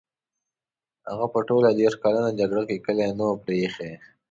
هغه په ټوله دېرش کلنه جګړه کې کلی نه وو پرې ایښی.